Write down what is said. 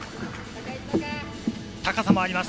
高さもあります。